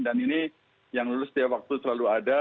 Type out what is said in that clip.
dan ini yang lulus setiap waktu selalu ada